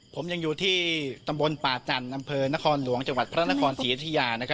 ผมยังอยู่ที่ตำบลป่าจันทร์อำเภอนครหลวงจังหวัดพระนครศรีอยุธยา